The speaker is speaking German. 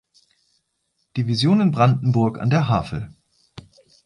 Division in Brandenburg an der Havel.